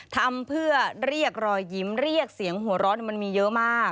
ทำเพื่อเรียกรอยยิ้มเรียกเสียงหัวร้อนมันมีเยอะมาก